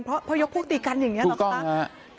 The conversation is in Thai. เพราะยกพวกตีกันอย่างนี้หรอคะ